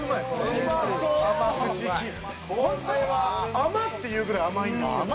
「甘っ！っていうぐらい甘いんですけど」